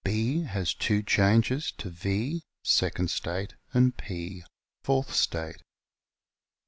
B has two changes, to V (second state) and P (fourth state).